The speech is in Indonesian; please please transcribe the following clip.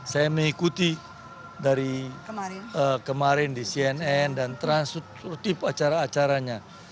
saya mengikuti dari kemarin di cnn dan transstruktif acara acaranya